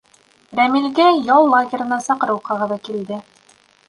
Рәмилгә ял лагерына саҡырыу ҡағыҙы килде.